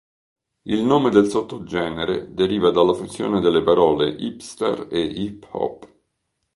Il nome del sottogenere deriva dalla fusione delle parole hipster e hip hop.